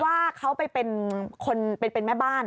ว่าเขาเป็นแม่บ้าน